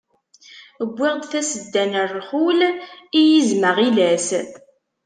Wwiɣ-d tasedda n rrxul, i yizem aɣilas.